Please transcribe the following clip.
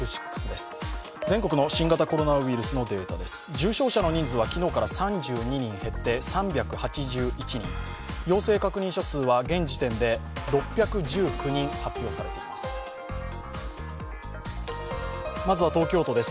重症者の人数は昨日から３２人減って３８１人陽性確認者数は現時点で６１９人、発表されています。